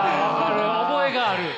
覚えがある！